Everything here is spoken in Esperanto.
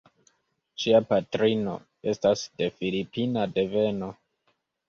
Ŝia patrino estas de filipina deveno.